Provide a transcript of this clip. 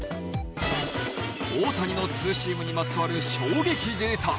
大谷のツーシームにまつわる衝撃データ。